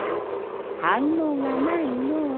はんのうがないのう。